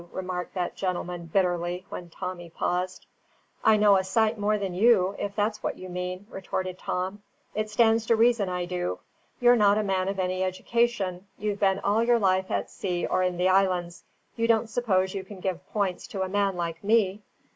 remarked that gentleman, bitterly, when Tommy paused. "I know a sight more than you, if that's what you mean," retorted Tom. "It stands to reason I do. You're not a man of any education; you've been all your life at sea or in the islands; you don't suppose you can give points to a man like me?"